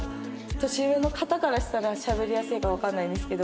年上の方からしたらしゃべりやすいかわかんないんですけど。